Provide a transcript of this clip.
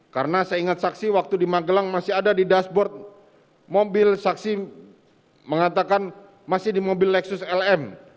karena seingat saksi waktu di magelang masih ada di dashboard mobil saksi mengatakan masih di mobil lexus lm